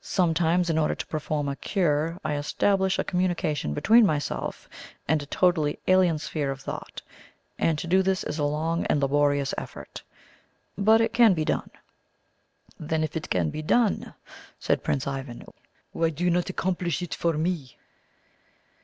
Sometimes, in order to perform a cure, I establish a communication between myself and a totally alien sphere of thought; and to do this is a long and laborious effort. But it can be done." "Then, if it can be done," said Prince Ivan, "why do you not accomplish it for me?"